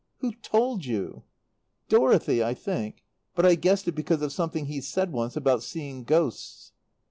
"Who told you?" "Dorothy, I think. But I guessed it because of something he said once about seeing ghosts."